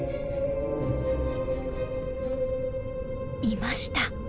いました。